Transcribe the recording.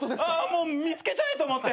もう見つけちゃえと思って。